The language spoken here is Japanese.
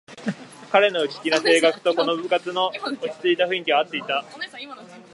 彼の内気な性格とこの部活の落ちついた雰囲気はあっていた